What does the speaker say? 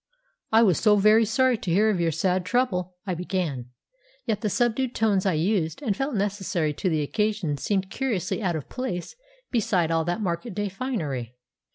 "I was so very sorry to hear of your sad trouble," I began. Yet the subdued tones I used and felt necessary to the occasion seemed curiously out of place beside all that market day finery.